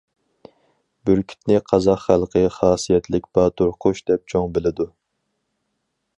بۈركۈتنى قازاق خەلقى‹‹ خاسىيەتلىك باتۇر قۇش›› دەپ چوڭ بىلىدۇ.